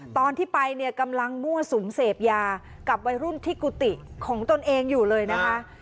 ตอนที่ไปเนี่ยกำลังมั่วสุมเสพยากับวัยรุ่นที่กุฏิของตนเองอยู่เลยนะคะ